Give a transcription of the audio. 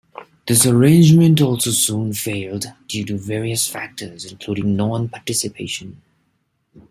This arrangement also soon failed due to various factors including non-participation.